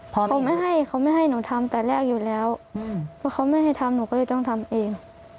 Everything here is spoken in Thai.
เขาไม่ให้เขาไม่ให้หนูทำแต่แรกอยู่แล้วเพราะเขาไม่ให้ทำหนูก็เลยต้องทำเอง